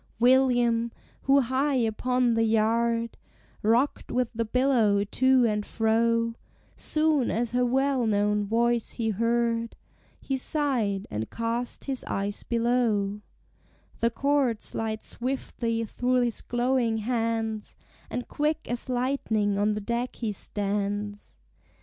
William, who high upon the yard Rocked with the billow to and fro, Soon as her well known voice he heard He sighed, and cast his eyes below: The cord slides swiftly through his glowing hands, And quick as lightning on the deck he stands.